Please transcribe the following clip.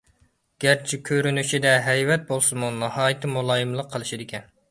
گەرچە كۆرۈنۈشىدە ھەيۋەت بولسىمۇ ناھايىتى مۇلايىملىق قىلىشىدىكەن.